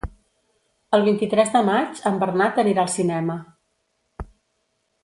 El vint-i-tres de maig en Bernat anirà al cinema.